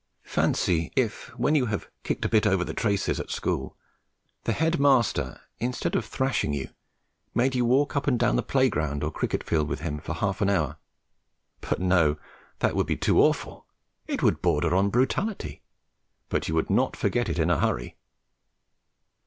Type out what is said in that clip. Fancy if, when you have "kicked a bit over the traces" at school, the head master, instead of thrashing you, made you walk up and down the playground or cricket field with him for half an hour; but no, that would be too awful; it would border on brutality! But you would not forget it in a hurry.